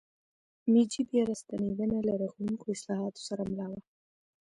میجي بیا راستنېدنه له رغوونکو اصلاحاتو سره مله وه.